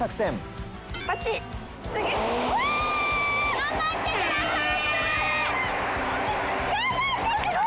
頑張ってください！